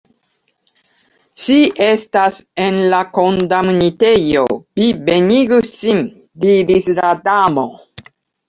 "Ŝi estas en la kondamnitejo, vi venigu ŝin," diris la Damo.